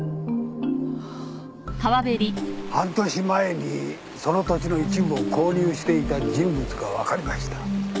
半年前にその土地の一部を購入していた人物が分かりました。